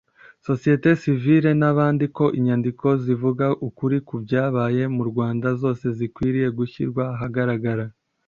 sosiyete sivile n’abandi ko inyandiko zivuga ukuri ku byabaye mu Rwanda zose zikwiye gushyirwa ahagaragara